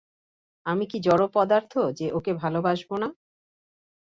আমি কি জড় পদার্থ যে, ওকে ভালোবাসব না।